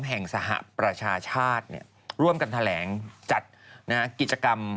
สหประชาชาติร่วมกันแถลงจัดกิจกรรม